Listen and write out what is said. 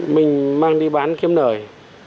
mình mang đi bán kiếm nởi